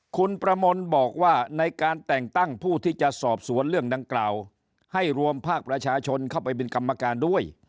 คุณประมนต์บอกว่าในการแต่งตั้งผู้ที่จะสอบสวนเรื่องดังกล่าวให้รวมภาคประชาชนเข้าไปเป็นกรรมการด้วย